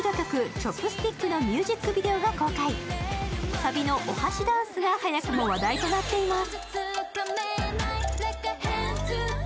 サビのお箸ダンスが早くも話題となっています。